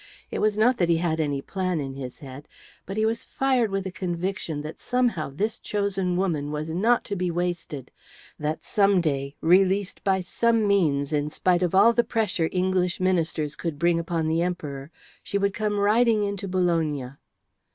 It was not that he had any plan in his head; but he was fired with a conviction that somehow this chosen woman was not to be wasted, that some day, released by some means in spite of all the pressure English Ministers could bring upon the Emperor, she would come riding into Bologna.